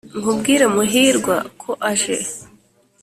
nkubwire muhirwa ko aje